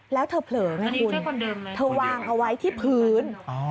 แล้วเธอเผลอไงคุณเธอวางเอาไว้ที่พื้น